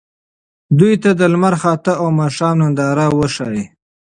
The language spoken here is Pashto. دوی ته د لمر خاته او ماښام ننداره وښایئ.